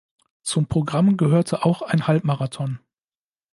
Zum Programm gehörte auch ein Halbmarathon.